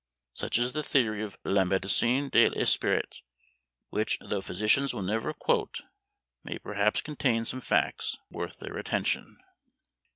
Such is the theory of "La Médecine de l'Esprit," which, though physicians will never quote, may perhaps contain some facts worth their attention.